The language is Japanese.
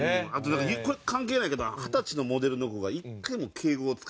これ関係ないけど二十歳のモデルの子が１回も敬語を使わない。